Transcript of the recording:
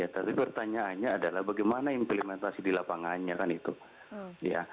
tapi pertanyaannya adalah bagaimana implementasi di lapangannya